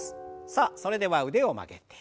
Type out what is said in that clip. さあそれでは腕を曲げて。